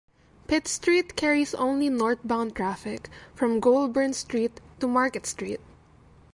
Pitt street carries only northbound traffic from Goulbern Street to Market Street.